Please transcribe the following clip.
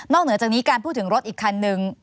เหนือจากนี้การพูดถึงรถอีกคันนึง